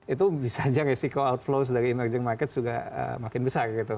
itu bisa saja resiko outflows dari emerging markets juga makin besar gitu